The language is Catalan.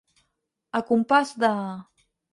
A compàs de.